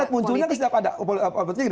karena munculnya setiap ada politik